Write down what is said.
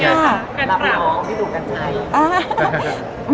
สำหรับที่ดีกว่าสามารถรับน้องที่หนุ่มกันใคร